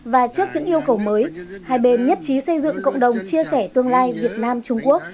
và trước những yêu cầu mới hai bên nhất trí xây dựng cộng đồng chia sẻ tương lai việt nam trung quốc